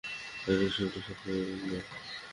আর এই শব্দের সাথেও না।